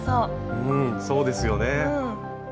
うんそうですよね。